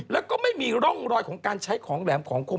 แล้วก็ไม่มีร่องรอยของการใช้ของแหลมของคม